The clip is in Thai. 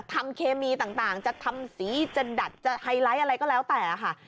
เคมีต่างจะทำสีจะดัดจะไฮไลท์อะไรก็แล้วแต่ค่ะ